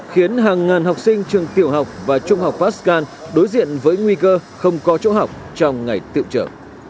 khiến hàng ngàn học sinh trường tiểu học và trung học pascal đối diện với nguy cơ không có chỗ học trong ngày tiệu trợ